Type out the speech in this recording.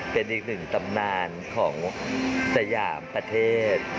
เป็นอีกหนึ่งตำนานของสยามประเทศ